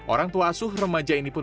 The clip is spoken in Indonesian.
orang tua asuh remaja ini pun